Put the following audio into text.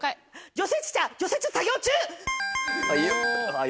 除雪車除雪作業中！